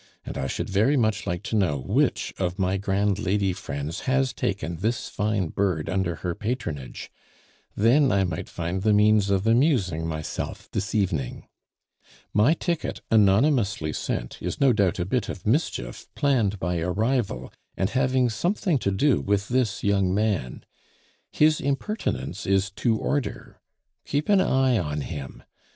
And I should very much like to know which of my grand lady friends has taken this fine bird under her patronage; then I might find the means of amusing myself this evening. My ticket, anonymously sent, is no doubt a bit of mischief planned by a rival and having something to do with this young man. His impertinence is to order; keep an eye on him.